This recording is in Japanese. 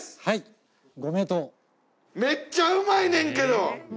めっちゃうまいねんけど！